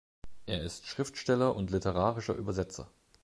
Er ist Schriftsteller und literarischer Übersetzer.